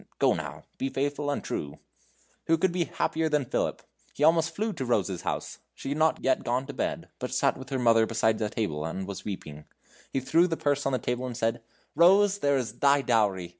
Go, now; be faithful and true!" Who could be happier than Philip! He almost flew to Rose's house. She had not yet gone to bed, but sat with her mother beside a table, and was weeping. He threw the purse on the table and said: "Rose, there is thy dowry!